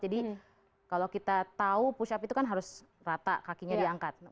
jadi kalau kita tahu push up itu kan harus rata kakinya diangkat